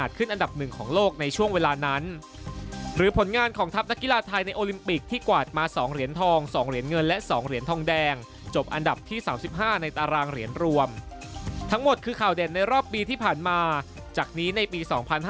ที่๓๕ในตารางเหรียญรวมทั้งหมดคือข่าวเด่นในรอบปีที่ผ่านมาจากนี้ในปี๒๕๖๐